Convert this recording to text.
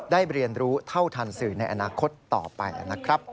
เรียนรู้เท่าทันสื่อในอนาคตต่อไปนะครับ